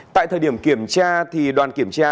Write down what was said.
tại thời điểm kiểm tra thì đoàn kiểm tra